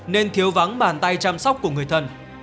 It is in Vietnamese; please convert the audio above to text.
nên thiếu vắng bàn tay chăm sóc của người thân